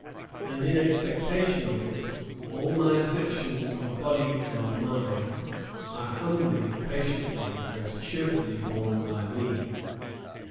And in expectation of it, all my afflictions of body and mind are humbly, patiently, and cheerfully borne by me."